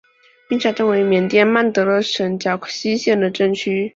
密沙镇为缅甸曼德勒省皎克西县的镇区。